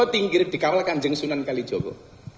joko tinggirip dikawal kanjeng sunan kali joko